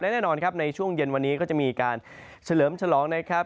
แน่นอนครับในช่วงเย็นวันนี้ก็จะมีการเฉลิมฉลองนะครับ